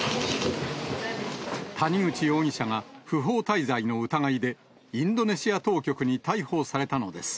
谷口容疑者が不法滞在の疑いで、インドネシア当局に逮捕されたのです。